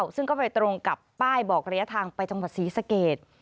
ซึ่งก็ไปตรงกับป้ายบอกระยะทางไปจังหวัดศรีสเกต